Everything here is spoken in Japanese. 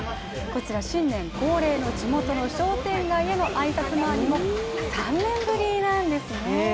新年恒例の地元の商店街への挨拶回りも３年ぶりなんですね。